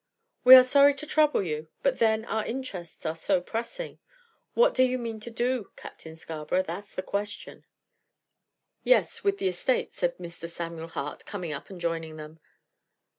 "We are sorry to trouble you; but then our interests are so pressing. What do you mean to do, Captain Scarborough? That's the question." "Yes; with the estate," said Mr. Samuel Hart, coming up and joining them.